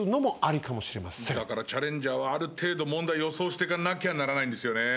だからチャレンジャーはある程度問題予想してかなきゃならないんですよね。